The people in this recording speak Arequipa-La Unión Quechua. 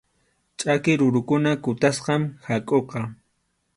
Ch’aki rurukuna kutasqam hakʼuqa.